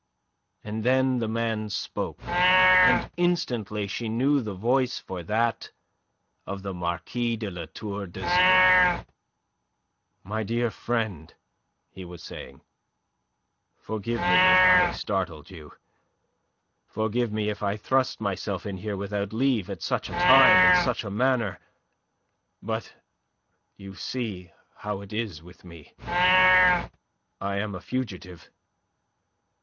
And then the man spoke, and instantly she knew the voice for that of the Marquis de La Tour d'Azyr. "My dear friend," he was saying, "forgive me if I startled you. Forgive me if I thrust myself in here without leave, at such a time, in such a manner. But... you see how it is with me. I am a fugitive.